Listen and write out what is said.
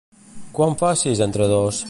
Quant fa sis entre dos?